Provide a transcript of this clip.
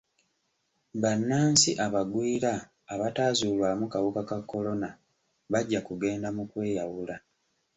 Bannansi abagwira abataazuulwamu kawuka ka kolona bajja kugenda mu kweyawula.